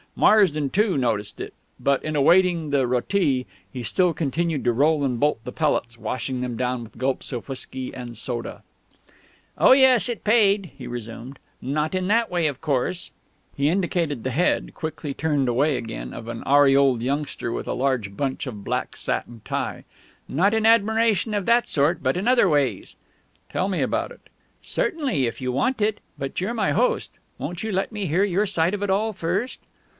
Marsden, too, noticed it; but in awaiting the rôti he still continued to roll and bolt the pellets, washing them down with gulps of whiskey and soda. "Oh yes, it paid," he resumed. "Not in that way, of course " he indicated the head, quickly turned away again, of an aureoled youngster with a large bunch of black satin tie, " not in admiration of that sort, but in other ways " "Tell me about it." "Certainly, if you want it. But you're my host. Won't you let me hear your side of it all first?"